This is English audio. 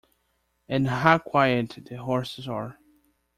And how quiet the horses are!